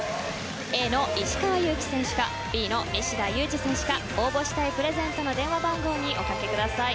Ａの石川祐希選手かＢの西田有志選手か応募したいプレゼントの電話番号におかけください。